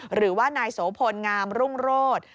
หรือว่านายโสพลงามรุ่งโรธ